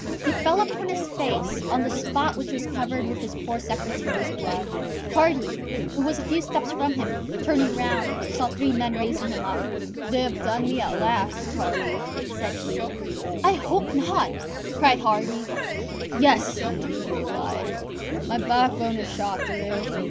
He fell upon his face, on the spot which was covered with his poor secretary's blood. Hardy, who was a few steps from him, turning round, saw three men raising him up. "They have done for me at last, Hardy," said he. "I hope not," cried Hardy. "Yes," he replied, "my backbone is shot through."